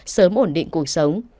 sớm ổn định cuộc sống